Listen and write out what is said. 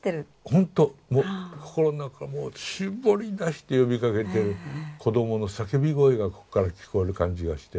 ほんと心の中からもう絞り出して呼びかけてる子どもの叫び声がこっから聞こえる感じがして。